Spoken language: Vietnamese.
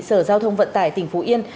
sở giao thông vận tải tỉnh phú yên